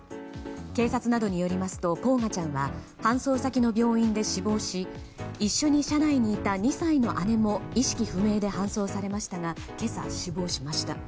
警察などによりますと煌翔ちゃんは搬送先の病院で死亡し一緒に車内にいた２歳の姉も意識不明で搬送されましたが今朝、死亡しました。